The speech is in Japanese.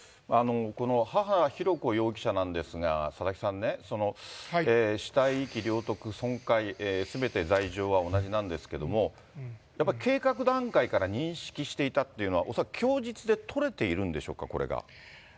この母、浩子容疑者なんですが、佐々木さん、死体遺棄・領得・損壊、すべて罪状は同じなんですけども、やっぱり計画段階から認識していたというのは、恐らく供述で取れているんでしょうか、これが。